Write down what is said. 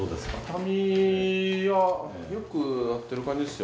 痛みはよくなってる感じですよ。